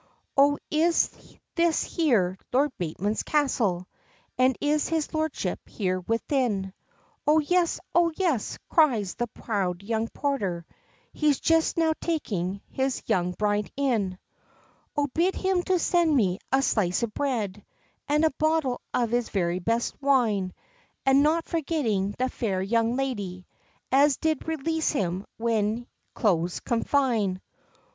"O is this here Lord Bateman's castle, And is his lordship here within?" "O yes, O yes," cries the proud young porter, "He's just now taking his young bride in." "O bid him to send me a slice of bread, And a bottle of the very best wine, And not forgetting the fair young lady As did release him when close confine."